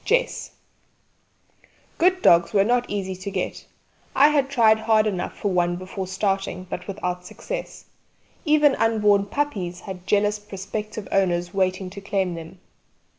JESS Good dogs were not easy to get; I had tried hard enough for one before starting, but without success. Even unborn puppies had jealous prospective owners waiting to claim them.